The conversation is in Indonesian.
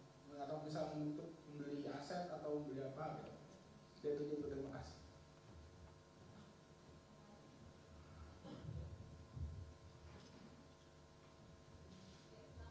terus apakah mungkin sudah mengarah kepada pencucian uang